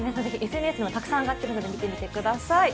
ＳＮＳでもたくさん上がってるので見てください。